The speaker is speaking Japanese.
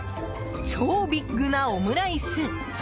超ビッグなオムライス！